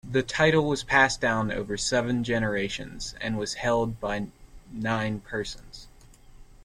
The title was passed down over seven generations and was held by nine persons.